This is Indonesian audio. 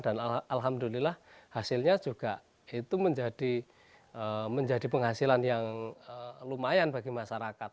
dan alhamdulillah hasilnya juga itu menjadi penghasilan yang lumayan bagi masyarakat